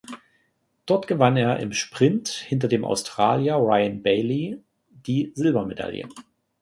Dort gewann er im Sprint hinter dem Australier Ryan Bayley die Silbermedaille.